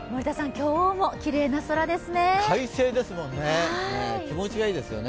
今日もきれいな空ですね。